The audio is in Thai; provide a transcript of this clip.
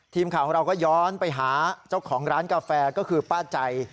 ทีมข่าวของเราก็ย้อนไปหาเจ้าของร้านกาแฟก็คือป้าใจ